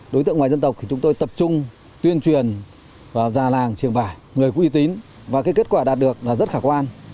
đối tượng ngoài dân tộc thì chúng tôi tập trung tuyên truyền vào già làng trường bản người có uy tín và cái kết quả đạt được là rất khả quan